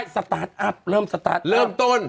สตาร์ทอัพเริ่มสตาร์ทอัพ